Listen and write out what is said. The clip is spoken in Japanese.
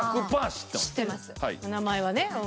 お名前はねうん。